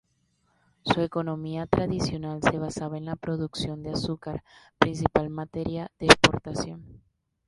Su economía tradicional se basaba en la producción de azúcar, principal materia de exportación.